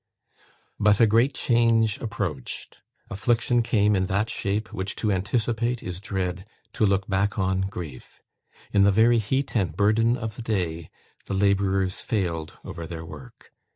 "But a great change approached. Affliction came in that shape which to anticipate is dread; to look back on grief. In the very heat and burden of the day, the labourers failed over their work.